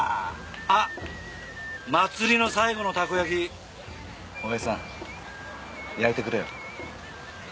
あっ祭りの最後のたこ焼き親父さん焼いてくれよ。